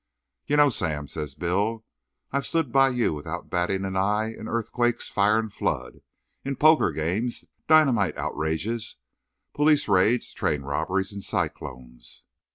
"You know, Sam," says Bill, "I've stood by you without batting an eye in earthquakes, fire and flood—in poker games, dynamite outrages, police raids, train robberies and cyclones.